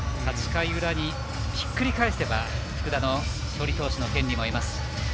８回裏にひっくり返せば福田の勝利投手の権利も出てきます。